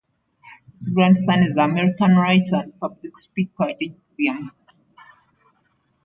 His grandson is the American writer and public speaker, George William Curtis.